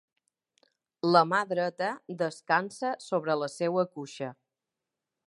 La mà dreta descansa sobre la seua cuixa.